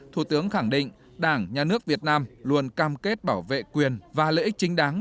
thủ tướng khẳng định đảng nhà nước việt nam luôn cam kết bảo vệ quyền và lợi ích chính đáng